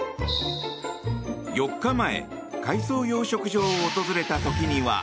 ４日前海藻養殖場を訪れた時には。